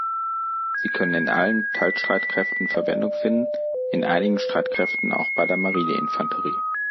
Sie können in allen Teilstreitkräften Verwendung finden, in einigen Streitkräften auch bei der Marineinfanterie.